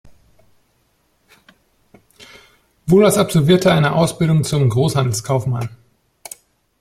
Wohlers absolvierte eine Ausbildung zum Großhandelskaufmann.